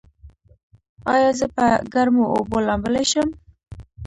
ایا زه په ګرمو اوبو لامبلی شم؟